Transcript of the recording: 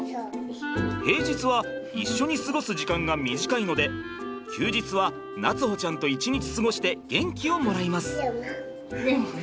平日は一緒に過ごす時間が短いので休日は夏歩ちゃんと一日過ごして元気をもらいます。